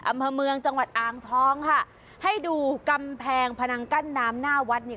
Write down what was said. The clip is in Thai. อำเภอเมืองจังหวัดอ่างทองค่ะให้ดูกำแพงพนังกั้นน้ำหน้าวัดเนี่ย